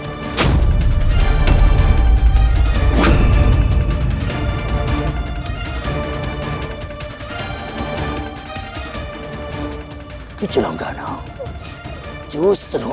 aku menginginkanmu begitu